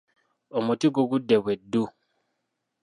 Omuti gugudde be ddu.